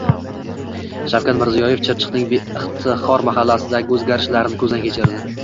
Shavkat Mirziyoyev Chirchiqning Iftixor mahallasidagi o‘zgarishlarni ko‘zdan kechirdi